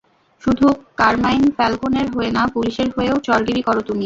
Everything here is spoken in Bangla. শুধু কারমাইন ফ্যালকোনের হয়ে না, পুলিশের হয়েও চরগিরি করো তুমি।